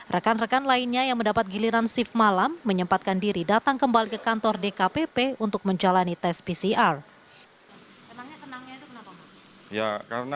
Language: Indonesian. rekan rekan lainnya yang mendapat giliran shift malam menyempatkan diri datang kembali ke kantor dkpp untuk menjalani tes pcr